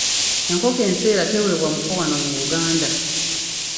Enkoko enseera teweebwa muko wano mu Buganda.